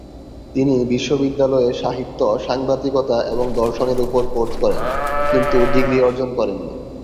তিনি বিশ্ববিদ্যালয়ে সাহিত্য, সাংবাদিকতা এবং দর্শনের উপর কোর্স করেন, কিন্তু ডিগ্রি অর্জন করেননি।